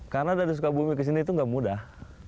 karena dari sukabumi ke sini itu nggak mudah